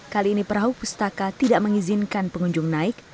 kali ini perahu pustaka tidak mengizinkan pengunjung naik